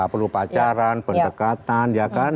perlu pacaran pendekatan ya kan